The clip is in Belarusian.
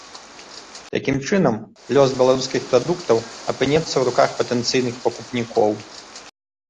Такім чынам, лёс беларускіх прадуктаў апынецца ў руках патэнцыйных пакупнікоў.